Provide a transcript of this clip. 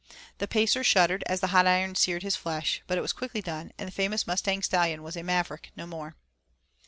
The Pacer shuddered as the hot iron seared his flesh, but it was quickly done, and the famous Mustang Stallion was a maverick no more.